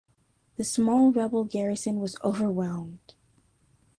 The small rebel garrison was overwhelmed.